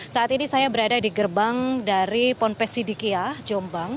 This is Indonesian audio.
saat ini saya berada di gerbang dari ponpes sidikiah jombang